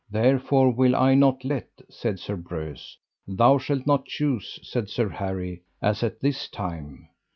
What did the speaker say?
Therefore will I not let, said Sir Breuse. Thou shalt not choose, said Sir Harry, as at this time.